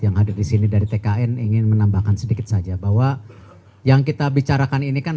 yang ada di sini dari tkn ingin menambahkan sedikit saja bahwa yang kita bicarakan ini kan